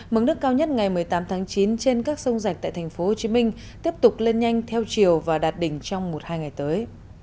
mức nước cao nhất ngày một mươi tám tháng chín trên các sông rạch tại tp hcm tiếp tục lên nhanh theo chiều và đạt đỉnh trong một hai ngày tới